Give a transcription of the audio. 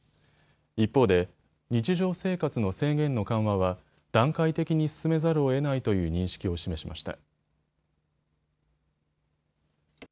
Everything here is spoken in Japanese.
一方で日常生活の制限の緩和は段階的に進めざるをえないという認識を示しました。